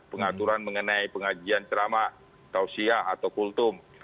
pengaturan mengenai pengajian ceramah tausiyah atau kultum